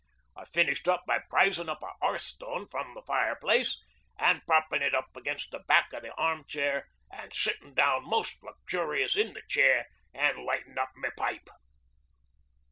I finished up by prizin' up a hearthstone from the fireplace an' proppin' it up against the back o' the arm chair an' sittin' down most luxurious in the chair an' lighting up my pipe.